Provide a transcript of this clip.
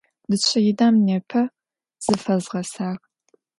Дышъэидэм непэ зыфэзгъэсагъ.